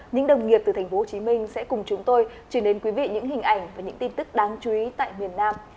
những đồng nghiệp từ tp hcm sẽ cùng chúng tôi truyền đến quý vị những hình ảnh và những tin tức đáng chú ý tại miền nam